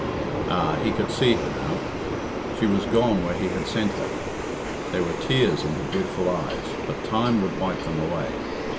Ah! he could see her now. She was gone where he had sent her. There were tears in her beautiful eyes, but time would wipe them away.